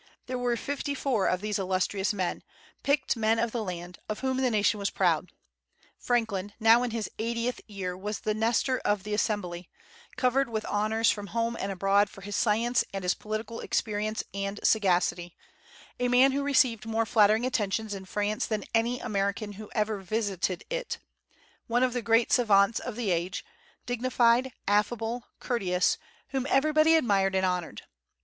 There were fifty four of these illustrious men, the picked men of the land, of whom the nation was proud. Franklin, now in his eightieth year, was the Nestor of the assembly, covered with honors from home and abroad for his science and his political experience and sagacity, a man who received more flattering attentions in France than any American who ever visited it; one of the great savants of the age, dignified, affable, courteous, whom everybody admired and honored.